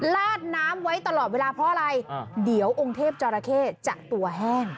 ลาดน้ำไว้ตลอดเวลาเพราะอะไรเดี๋ยวองค์เทพจอราเข้จะตัวแห้ง